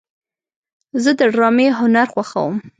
زه د ډرامې هنر خوښوم.